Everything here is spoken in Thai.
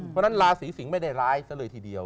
เพราะฉะนั้นราศีสิงศ์ไม่ได้ร้ายซะเลยทีเดียว